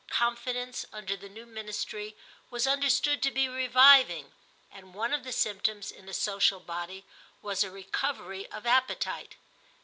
Confidence, under the new Ministry, was understood to be reviving, and one of the symptoms, in a social body, was a recovery of appetite.